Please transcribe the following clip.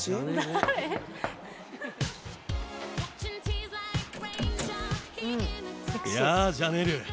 「誰？」やあジャネール。